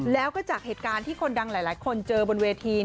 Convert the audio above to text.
แล้วก็จากเหตุการณ์ที่คนดังหลายคนเจอบนเวที